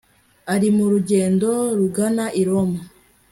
Ari mu rugendo rugana i Roma